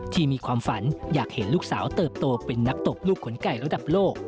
มีความฝันอยากเห็นลูกสาวเติบโตเป็นนักตบลูกขนไก่ระดับโลก